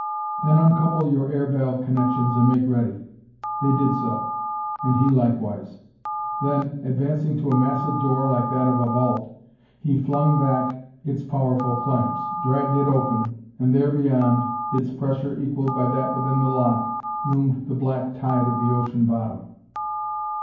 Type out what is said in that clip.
"Then uncouple your air valve connections and make ready." They did so; and he likewise. Then, advancing to a massive door like that of a vault, he flung back its powerful clamps, dragged it open and there beyond, its pressure equaled by that within the lock, loomed the black tide of the ocean bottom.